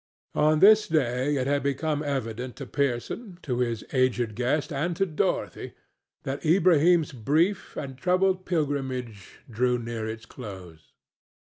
On this day it had become evident to Pearson, to his aged guest and to Dorothy that Ilbrahim's brief and troubled pilgrimage drew near its close.